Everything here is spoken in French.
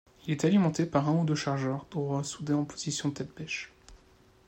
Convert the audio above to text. Il était alimenté par un ou deux chargeurs droits soudés en position tête-bêche.